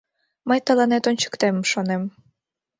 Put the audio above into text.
Мый тыланет ончыктем, шонем.